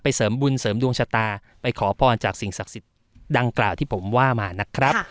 เสริมบุญเสริมดวงชะตาไปขอพรจากสิ่งศักดิ์สิทธิ์ดังกล่าวที่ผมว่ามานะครับ